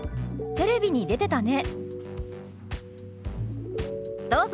「テレビに出てたね」。